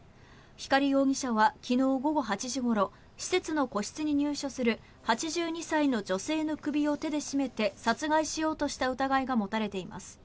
光容疑者は昨日午後８時ごろ施設の個室に入所する８２歳の女性の首を手で絞めて殺害しようとした疑いが持たれています。